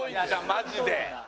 マジで。